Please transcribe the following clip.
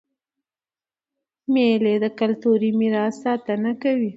مېلې د کلتوري میراث ساتنه کوي.